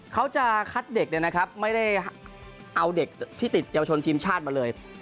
เขาจะคัดเด็กเนี่ยนะครับไม่ได้เอาเด็กที่ติดเยาวชนทีมชาติมาเลย